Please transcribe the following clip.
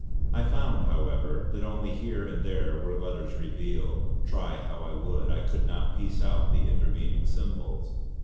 I found, however, that only here and there were letters revealed; try how I would, I could not piece out the intervening symbols.